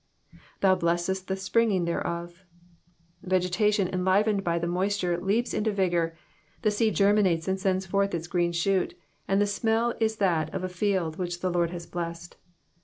^^Thou blestest the springing thereof ^"^ Vegetation enlivened by the moisture leaps into vigour, the seed germinates and sends forth its green shoot, and the smell is that as of a field which the Lord has blessed.